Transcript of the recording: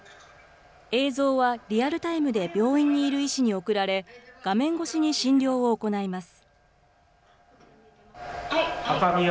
映像はリアルタイムで病院にいる医師に送られ、画面越しに診療を行います。